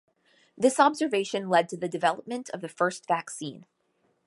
This observation led to the development of the first vaccine.